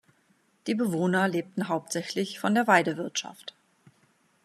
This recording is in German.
Die Bewohner lebten hauptsächlich von der Weidewirtschaft.